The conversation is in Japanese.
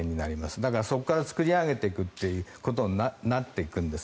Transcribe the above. だから、そこから作り上げていくことになっていくんです。